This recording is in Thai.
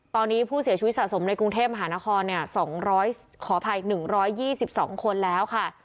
ตอนนี้ผู้เสียชีวิตสะสมในกรุงเทพมหานครเนี่ยสองร้อยขออภัยหนึ่งร้อยยี่สิบสองคนแล้วค่ะ